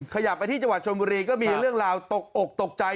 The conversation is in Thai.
ขยับไปที่จังหวัดชนบุรีก็มีเรื่องราวตกอกตกใจ